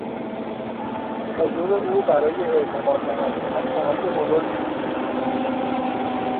حضور او برای اعتماد به نفس من کمک بزرگی بود.